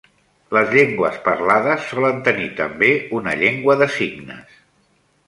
Les llengües parlades solen tenir també una llengua de signes.